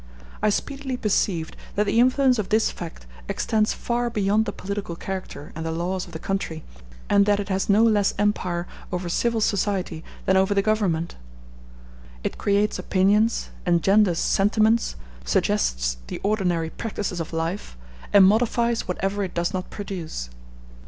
I speedily perceived that the influence of this fact extends far beyond the political character and the laws of the country, and that it has no less empire over civil society than over the Government; it creates opinions, engenders sentiments, suggests the ordinary practices of life, and modifies whatever it does not produce.